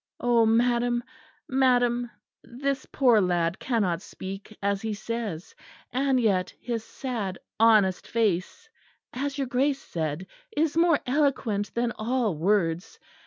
"Oh! madam, madam; this poor lad cannot speak, as he says; and yet his sad honest face, as your Grace said, is more eloquent than all words.